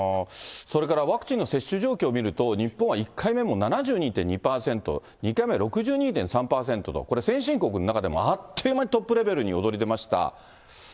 それからワクチンの接種状況を見ると、日本は１回目も７２．２％、２回目６２．３％と、これ先進国の中でもあっという間にトップレベルに躍り出ました。